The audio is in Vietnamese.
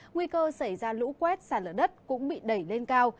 nguy cơ xảy ra lũ quét sản lửa đất cũng bị đẩy lên cao